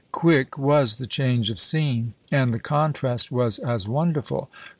Quick was the change of scene, and the contrast was as wonderful.